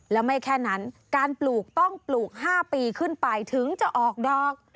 แล้วไม่แค่นั้นการปลูกต้องปลูก๕ปีขึ้นไปถึงจะออกดอก